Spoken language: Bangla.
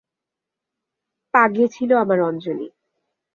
পাগলি ছিল আমার আঞ্জলি।